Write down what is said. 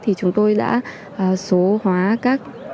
thì chúng tôi đã số hóa các